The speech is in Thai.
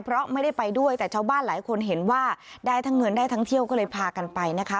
เพราะไม่ได้ไปด้วยแต่ชาวบ้านหลายคนเห็นว่าได้ทั้งเงินได้ทั้งเที่ยวก็เลยพากันไปนะคะ